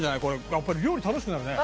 やっぱり料理楽しくなるね。